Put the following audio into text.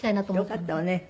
よかったわね。